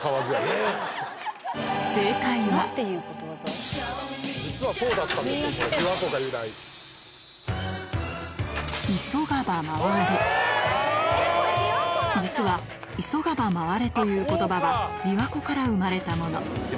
正解は実は「急がば回れ」という言葉は琵琶湖から生まれたもの